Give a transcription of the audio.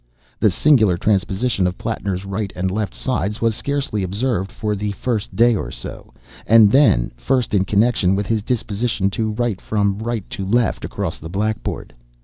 The singular transposition of Plattner's right and left sides was scarcely observed for the first day or so, and then first in connection with his disposition to write from right to left across the blackboard.